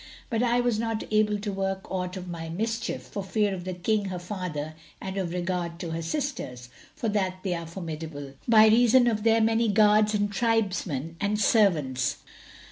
But I was not able to work aught of my mischief, for fear of the King her father and of regard to her sisters, for that they are formidable, by reason of their many guards and tribesmen and servants.